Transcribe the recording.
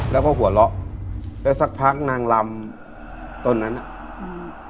แล้วก็หัวเราะแล้วสักพักนางลำต้นนั้นอ่ะอืม